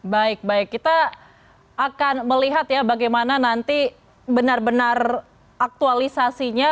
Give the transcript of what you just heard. baik baik kita akan melihat ya bagaimana nanti benar benar aktualisasinya